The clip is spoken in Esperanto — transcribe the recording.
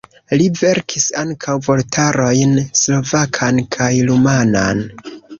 Li verkis ankaŭ vortarojn: slovakan kaj rumanan.